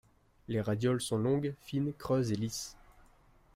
Les radioles sont longues, fines, creuses et lisses.